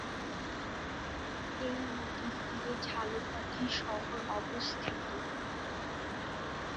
এই নদীর তীরে ঝালকাঠি শহর অবস্থিত।